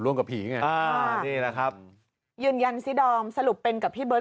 ร่วมกับผีนะครับยืนยันซิดอมสรุปเป็นกับพี่เบิร์ต